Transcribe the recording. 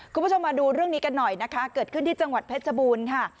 คุณผู้ชมมาดูเรื่องนี้กันหน่อยนะคะเกิดขึ้นที่จังหวัดเพชรบูรณ์ค่ะ